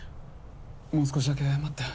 もう少しだけ待って。